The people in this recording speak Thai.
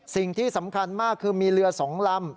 สิ่งที่สำคัญมากคือมีเรือ๒ลำ